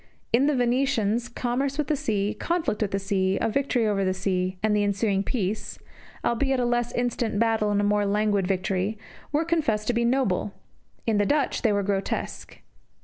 In the Venetians, commerce with the sea, conflict with the sea, a victory over the sea, and the ensuing peace albeit a less instant battle and a more languid victory were confessed to be noble; in the Dutch they were grotesque.